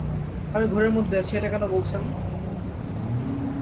আমি ঘোরের মধ্যে আছি, এটা কেন বলছেন?